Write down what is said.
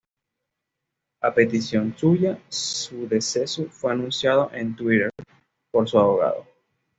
A petición suya, su deceso fue anunciado en "Twitter" por su abogado.